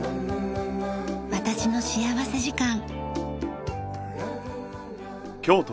『私の幸福時間』。